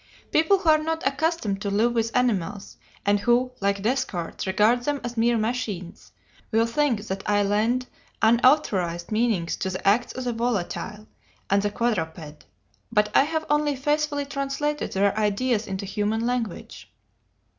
People who are not accustomed to live with animals, and who, like Descartes, regard them as mere machines, will think that I lend unauthorized meanings to the acts of the 'volatile' and the 'quadruped,' but I have only faithfully translated their ideas into human language.